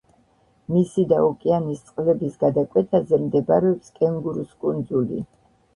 მისი და ოკეანის წყლების გადაკვეთაზე მდებარეობს კენგურუს კუნძული.